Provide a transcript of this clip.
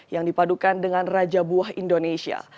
yang dipadukan dengan raja buah indonesia